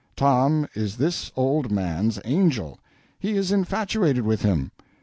Tom is this old man's angel; he is infatuated with him.